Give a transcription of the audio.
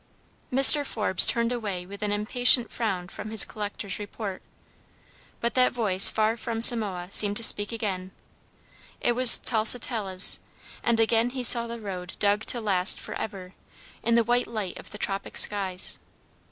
Mr. Forbes turned away with an impatient frown from his collector's report, but that voice from far Samoa seemed to speak again. It was Tusitala's, and again he saw the road dug to last for ever, in the white light of the tropic skies.